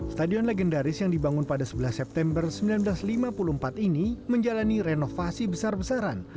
stadion legendaris yang dibangun pada sebelas september seribu sembilan ratus lima puluh empat ini menjalani renovasi besar besaran